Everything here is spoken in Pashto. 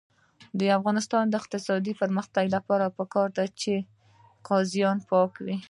د افغانستان د اقتصادي پرمختګ لپاره پکار ده چې قاضیان پاک وي.